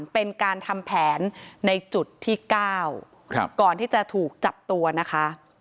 เป็นการทำแผนในจุดที่๙ก่อนที่จะถูกจับตัวนะคะ